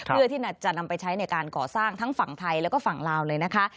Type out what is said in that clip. เพื่อที่จะนำไปใช้ในการก่อสร้างทั้งฝั่งไทยแล้วก็ฝั่งลาวเลยนะคะ